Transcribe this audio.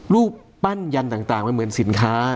รูปปั้นยันต่างมันเหมือนสินค้า